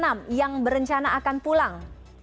sembilan puluh enam warga negara yang berencana akan pulang